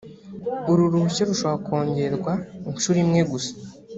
uru ruhushya rushobora kongerwa inshuro imwe gusa